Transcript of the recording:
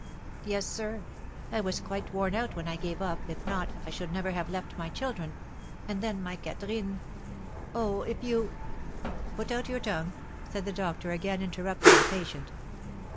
"Yes, sir. I was quite worn out when I gave up, if not, I should never have left my children; and then, my Catherine! Oh, if you " "Put out your tongue," said the doctor, again interrupting the patient.